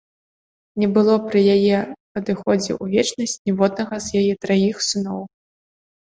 Не было пры яе адыходзе ў вечнасць ніводнага з яе траіх сыноў.